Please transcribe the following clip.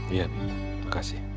iya terima kasih